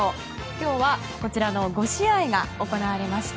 今日はこちらの５試合が行われました。